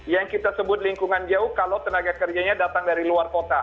yang kita sebut lingkungan jauh kalau tenaga kerjanya datang dari luar kota